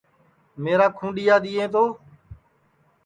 میرا کھُونڈِؔیا دؔیئیں تو